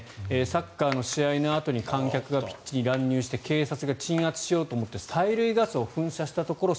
サッカーの試合のあとに観客がピッチに乱入して警察が鎮圧しようとして催涙ガスを噴射したところ